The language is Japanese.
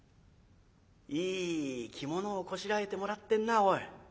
いい着物をこしらえてもらってんなぁおい。